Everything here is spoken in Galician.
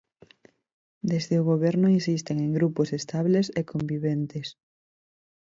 Desde o Goberno insisten en grupos estables e conviventes.